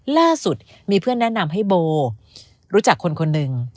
ล่าสุดมีเพื่อนแนะนำให้โบรู้จักคนคนหนึ่ง